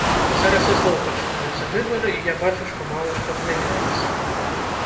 Зараз ізноў пачынаюцца выбары, і я бачу, што мала што змяняецца.